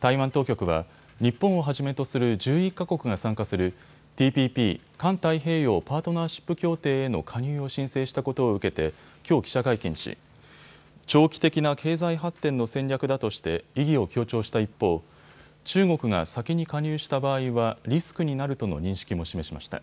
台湾当局は日本をはじめとする１１か国が参加するＴＰＰ・環太平洋パートナーシップ協定への加入を申請したことを受けてきょう記者会見し長期的な経済発展の戦略だとして意義を強調した一方、中国が先に加入した場合はリスクになるとの認識も示しました。